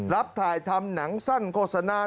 รับถ่ายทำหนังสั้นโฆษณา